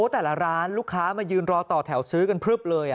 แต่ละร้านลูกค้ามายืนรอต่อแถวซื้อกันพลึบเลย